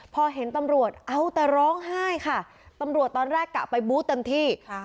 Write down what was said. พอเห็นตำรวจเอาแต่ร้องไห้ค่ะตำรวจตอนแรกกะไปบูธเต็มที่ค่ะ